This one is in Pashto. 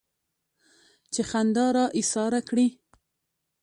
چې خندا را ايساره کړي.